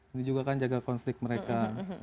ini juga kan jaga konflik mereka